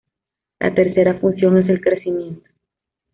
La tercera función es el crecimiento.